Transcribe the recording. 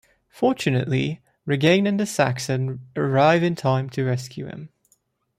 Fortunately, Regeane and the Saxon arrive in time to rescue him.